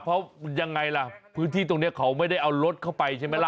เพราะยังไงล่ะพื้นที่ตรงนี้เขาไม่ได้เอารถเข้าไปใช่ไหมล่ะ